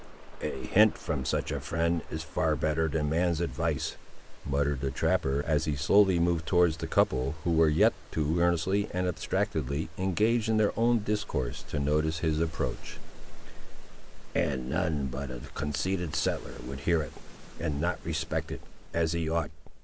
"A hint from such a friend is far better than man's advice!" muttered the trapper, as he slowly moved towards the couple who were yet, too earnestly and abstractedly, engaged in their own discourse, to notice his approach; "and none but a conceited settler would hear it and not respect it, as he ought.